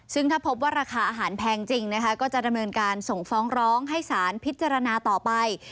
ซึ่งถ้าพบว่าราคาอาหารแพงจริงนะคะก็จะดำเนินการส่งฟ้องร้องให้สารพิจารณาต่อไป